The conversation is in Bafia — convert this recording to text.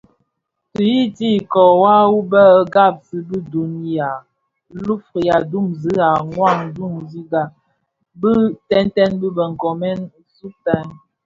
Ti yiyiti ikōō wua wu bë ghaksi bi duň yi lufira duňzi a mwadingusha Bitënten bi bë nkoomèn ntusèn.